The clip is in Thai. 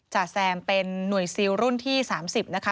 จ่าแซมเป็นหน่วยซิลรุ่นที่๓๐นะคะ